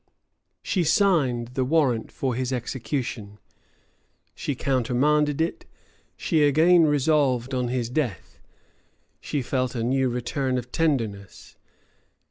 She signed the warrant for his execution; she countermanded it; she again resolved on his death; she felt a new return of tenderness.